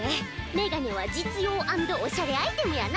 メガネは実用アンドおしゃれアイテムやな。